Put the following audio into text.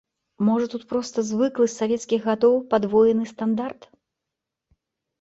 Можа тут проста звыклы з савецкіх гадоў падвоены стандарт?